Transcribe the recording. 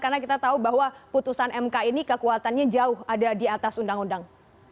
karena kita tahu bahwa putusan mk ini kekuatannya jauh ada di atas undang undang